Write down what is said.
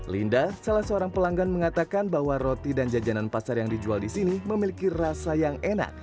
linda salah seorang pelanggan mengatakan bahwa roti dan jajanan pasar yang dijual di sini memiliki rasa yang enak